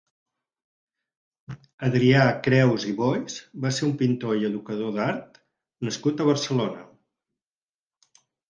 Adrià Creus i Boix va ser un pintor i educador d'art nascut a Barcelona.